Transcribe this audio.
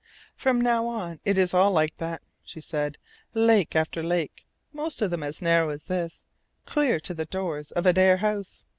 "From now on it is all like that." she said. "Lake after lake, most of them as narrow as this, clear to the doors of Adare House.